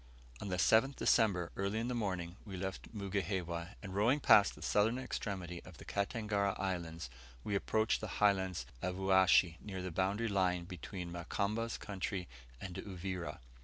On the 7th December, early in the morning, we left Mugihewa, and rowing past the southern extremity of the Katangara Islands, we approached the highlands of Uashi near the boundary line between Mukamba's country and Uvira.